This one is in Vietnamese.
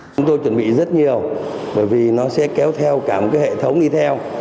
chúng tôi chuẩn bị rất nhiều bởi vì nó sẽ kéo theo cả một hệ thống đi theo